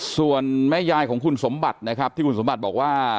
ส่วนแม่ยายของคุณสมบัตินะครับที่คุณสมบัติบอกว่า